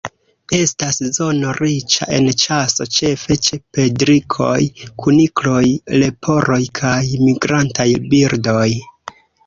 Estas zono riĉa en ĉaso ĉefe ĉe perdrikoj, kunikloj, leporoj kaj migrantaj birdoj.